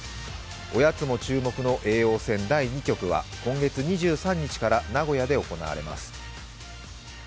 おやつも注目の叡王戦第２局は今月２３日から名古屋で行われます。